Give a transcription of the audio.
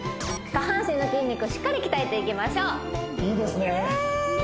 下半身の筋肉をしっかり鍛えていきましょういいですね